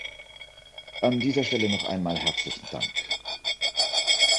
An dieser Stelle noch einmal herzlichen Dank.